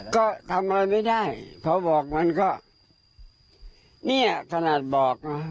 ก็ทำอะไรไม่ได้พอบอกมันก็เนี่ยขนาดบอกนะ